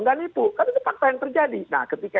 nggak nipu kan itu fakta yang terjadi nah ketika